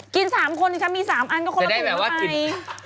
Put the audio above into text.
กิน๓คนถ้ามี๓อันก็คนละตัวไป